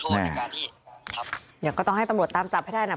เดี๋ยวก็ต้องให้ตำรวจตามจับให้ได้นะ